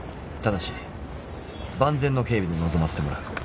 ただし万全の警備で臨ませてもらう。